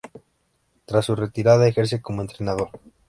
Tras su retirada ejerce como entrenador.